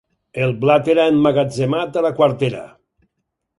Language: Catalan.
El blat era emmagatzemat a la quartera.